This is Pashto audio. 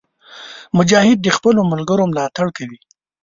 مجاهد د خپلو ملګرو ملاتړ کوي.